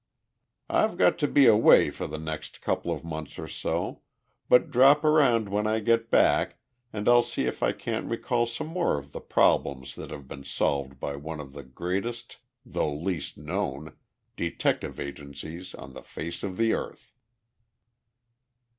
"I've got to be away for the next couple of months or so, but drop around when I get back and I'll see if I can't recall some more of the problems that have been solved by one of the greatest, though least known, detective agencies on the face of the earth."